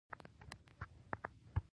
هغې وویل محبت یې د رڼا په څېر ژور دی.